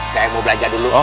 saya mau belajar dulu